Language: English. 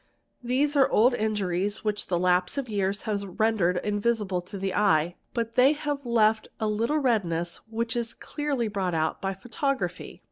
These are old injuries which the lapse of years : has rendered invisible to the eye, but they have left a little redness which is clearly brought out by photography.